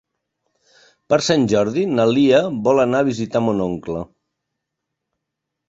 Per Sant Jordi na Lia vol anar a visitar mon oncle.